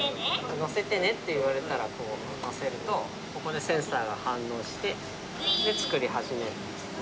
載せてねって言われたら、こう載せると、ここでセンサーが反応して、作り始めるんですね。